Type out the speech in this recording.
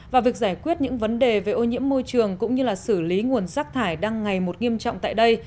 và việc giải quyết những vấn đề về ô nhiễm môi trường cũng như là xử lý nguồn rác thải đang ngày một nghiêm trọng tại đây